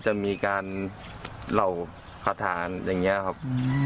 จะมีการเหล่าคาถานอย่างนี้ครับ